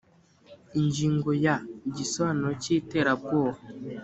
ingingo ya…: igisobanuro cy’iterabwoba